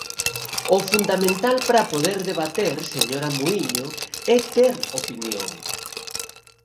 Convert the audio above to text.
O fundamental para poder debater, señora Muíño, é ter opinión.